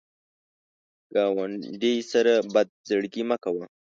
ګاونډي سره بد زړګي مه کوه